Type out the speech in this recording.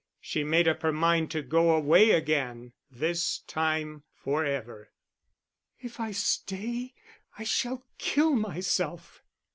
She made up her mind to go away again, this time for ever. "If I stay, I shall kill myself."